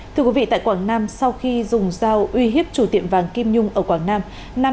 thưa quý vị tại quảng nam sau khi dùng dao uy hiếp chủ tiệm vàng kim nhung ở quảng nam